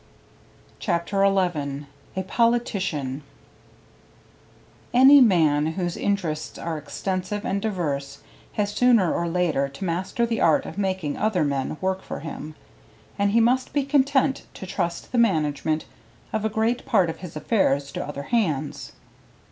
CHAPTER XI A POLITICIAN Any man whose interests are extensive and diverse has sooner or later to master the art of making other men work for him, and he must be content to trust the management of a great part of his affairs to other hands.